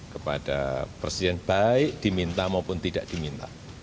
kepada presiden baik diminta maupun tidak diminta